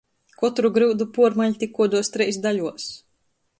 Kotru gryudu puormaļ tik kuoduos treis daļuos.